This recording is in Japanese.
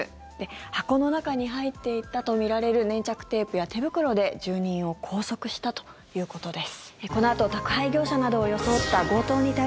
箱の中に入っていたとみられる粘着テープや手袋で住人を拘束したということです。